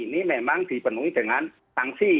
ini memang dipenuhi dengan sanksi